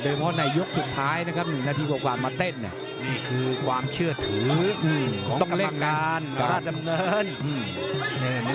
โดยเมื่อในยุคสุดท้าย๑นาทีกว่ามาเต้นนี่คือความเชื่อถือของกรรมการราชดำเนิน